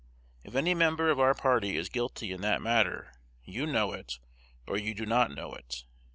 If any member of our party is guilty in that matter, you know it, or you do not know it.